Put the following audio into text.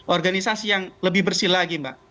organisasi yang lebih bersih lagi mbak